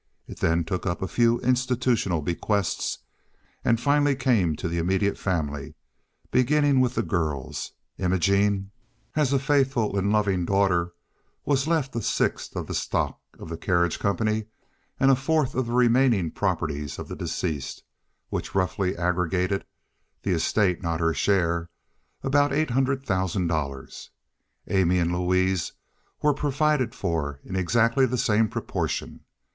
It then took up a few institutional bequests, and finally came to the immediate family, beginning with the girls. Imogene, as a faithful and loving daughter was left a sixth of the stock of the carriage company and a fourth of the remaining properties of the deceased, which roughly aggregated (the estate—not her share) about eight hundred thousand dollars. Amy and Louise were provided for in exactly the same proportion.